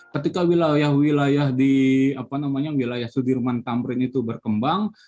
ketika wilayah wilayah di wilayah sudirman tamrin itu berkembang